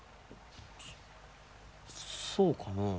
そうかなあ。